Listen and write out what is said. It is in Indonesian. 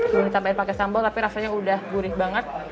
belum ditambahin pakai sambal tapi rasanya udah gurih banget